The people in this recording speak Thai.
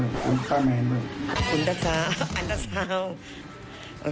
อุลตาซาอลุนตาซาว